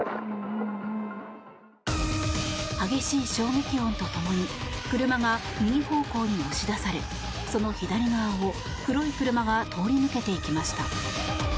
激しい衝撃音とともに車が右方向に押し出されその左側を黒い車が通り抜けていきました。